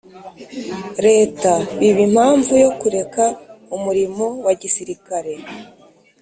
Leta biba impamvu yo kureka umurimo wa gisirikare